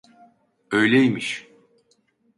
Öyleymiş.